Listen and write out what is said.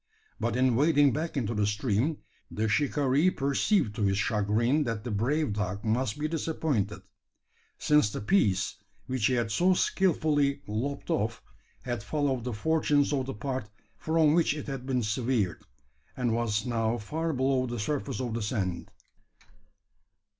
But in wading back into the stream, the shikaree perceived to his chagrin that the brave dog must be disappointed: since the piece which he had so skilfully lopped off, had followed the fortunes of the part from which it had been severed, and was now far below the surface of the sand!